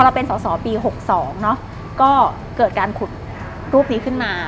เราเป็นสอสอปี๖๒เนอะก็เกิดการขุดรูปนี้ขึ้นมา